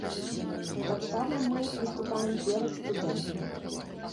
Таксама мы выступаем перад студэнтамі.